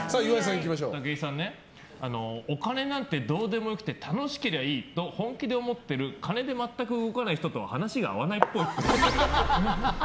武井さんですけどお金なんかどうでもよくて楽しけりゃいいと本気で思ってる金で全く動かない人とは話が合わないっぽい。